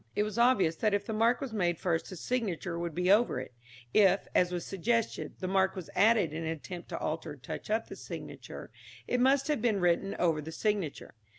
It was obvious that if the mark was made first the signature would be over it; if, as was suggested, the mark was added in an attempt to alter or touch up the signature, it must have been written over the signature.